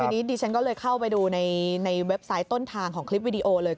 ทีนี้ดิฉันก็เลยเข้าไปดูในเว็บไซต์ต้นทางของคลิปวิดีโอเลย